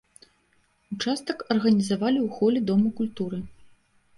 Участак арганізавалі ў холе дома культуры.